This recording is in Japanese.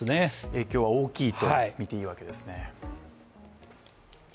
影響は大きいと見ていいわけですね。